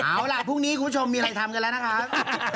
เอาล่ะพรุ่งนี้คุณผู้ชมมีอะไรทำกันแล้วนะครับ